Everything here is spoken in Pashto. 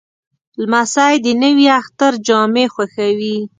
لمسی د نوي اختر جامې خوښوي.